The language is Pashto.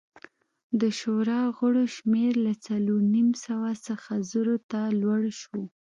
د شورا غړو شمېر له څلور نیم سوه څخه زرو ته لوړ شو